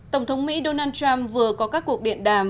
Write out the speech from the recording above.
tổng thống mỹ donald trump vừa có các cuộc điện đàm